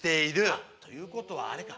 あっ！ということはあれか！